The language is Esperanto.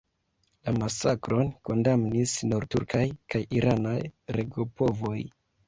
La masakron kondamnis nur turkaj kaj iranaj regopovoj.